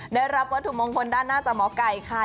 ได้รับวัตถุมงคลด้านหน้าจากหมอไก่ค่ะ